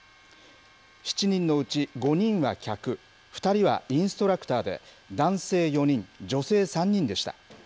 ７人のうち５人は客、２人はインストラクターで、男性４人、女性３人でした。